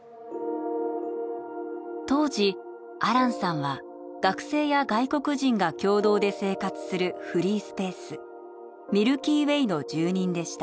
当時アランさんは学生や外国人が共同で生活するフリースペースミルキーウェイの住人でした。